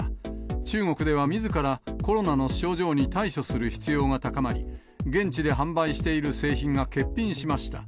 中国では、みずからコロナの症状に対処する必要が高まり、現地で販売している製品が欠品しました。